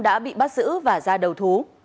đã bị bắt giữ và ra đầu thú